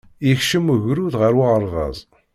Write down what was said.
Yekcem wegrud ɣer uɣerbaz.